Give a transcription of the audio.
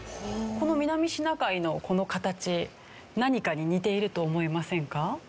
この南シナ海のこの形何かに似ていると思いませんか？